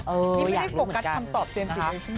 เอออยากรู้เหมือนกันนะครับนะครับถ้าไม่ได้โปรกัสคำตอบเจมส์จี